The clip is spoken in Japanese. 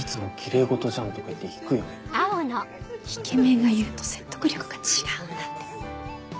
イケメンが言うと説得力が違うんだって。